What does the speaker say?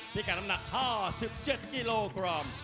ที่การ้ำหนัก๕๗กิโลกรัม